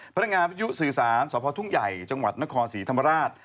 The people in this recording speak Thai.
พนักงานพิจุศาสตร์สภทุ่งใหญ่จังหวัดนครศรีธรรมราช